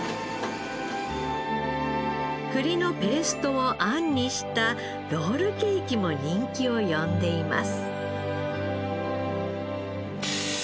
栗のペーストをあんにしたロールケーキも人気を呼んでいます。